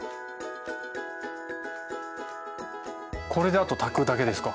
これであと炊くだけですか。